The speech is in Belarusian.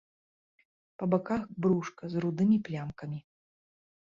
Па баках брушка з рудымі плямкамі.